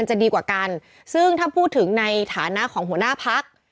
อ่าอ่าอ่าอ่าอ่าอ่าอ่าอ่าอ่า